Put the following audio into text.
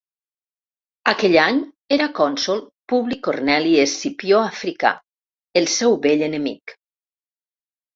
Aquell any era cònsol Publi Corneli Escipió Africà, el seu vell enemic.